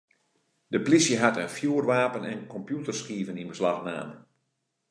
De plysje hat in fjoerwapen en kompjûterskiven yn beslach naam.